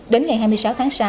đến ngày hai mươi sáu tháng sáu